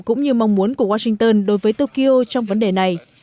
cũng như mong muốn của washington đối với tokyo trong vấn đề này